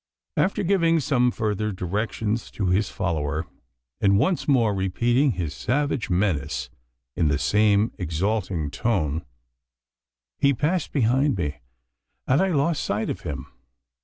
After giving some further directions to his follower and once more repeating his savage menace, in the same exulting tone he passed behind me; and I lost sight of him.